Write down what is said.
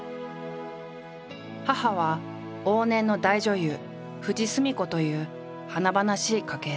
母は往年の大女優富司純子という華々しい家系だ。